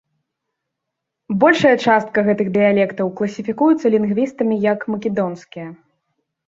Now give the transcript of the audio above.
Большая частка гэтых дыялектаў класіфікуюцца лінгвістамі як македонскія.